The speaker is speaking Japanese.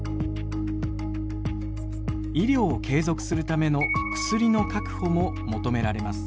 医療を継続するための薬の確保も求められます。